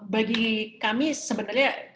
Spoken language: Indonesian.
bagi kami sebenarnya